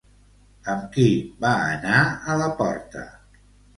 Amb qui va anar a la porta?